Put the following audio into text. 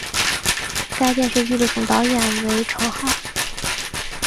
该电视剧的总导演为成浩。